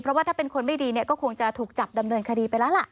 เพราะว่าถ้าเป็นคนไม่ดีเนี่ยก็คงจะถูกจับดำเนินคดีไปแล้วล่ะ